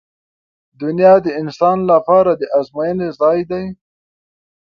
• دنیا د انسان لپاره د ازموینې ځای دی.